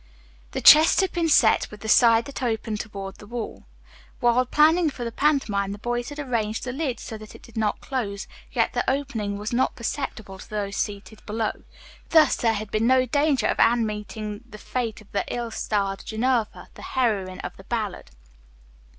The chest had been set with the side that opened toward the wall. While planning for the pantomime the boys had arranged the lid so that it did not close, yet the opening was not perceptible to those seated below. Thus there had been no danger of Anne meeting the fate of the ill starred Ginevra, the heroine of the ballad.